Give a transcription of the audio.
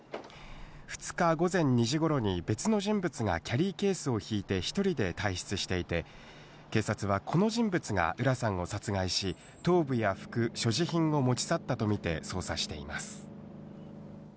２日午前２時ごろに別の人物がキャリーケースを引いて１人で退室していて、警察はこの人物が浦さんを殺害し、頭部や服、所持品を持ち去ったとみて捜査しています。